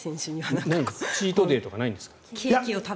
チートデーとかないんですか？